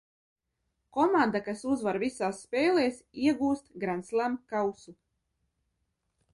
"Komanda, kas uzvar visās spēlēs, iegūst "Grand Slam" kausu."